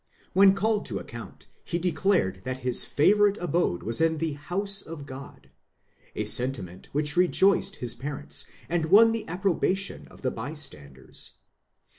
When called to account,. he declared that his favourite abode was in the house of God ;' a sentiment which rejoiced his parents, and won the approbation of the bystanders.